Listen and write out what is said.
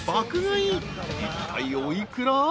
［いったいお幾ら？］